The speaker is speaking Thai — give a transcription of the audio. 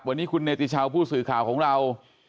วันนี้คุณเนติชาวผู้สื่อข่าวของเรา